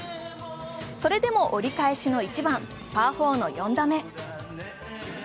それでも折り返しはの１番、パー４の４打目。